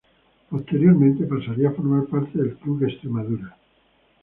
Posteriormente pasaría a formar parte del Club Extremadura.